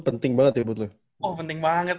penting banget ya bud lu oh penting banget